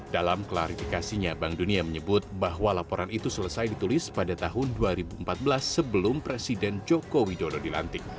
dalam klarifikasinya bank dunia menyebut bahwa laporan itu selesai ditulis pada tahun dua ribu empat belas sebelum presiden joko widodo dilantik